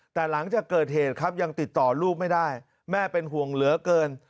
แต่หลังจากเกิดเหตุครับยังติดต่อลูกไม่ได้แม่เป็นห่วงเหลือเกิน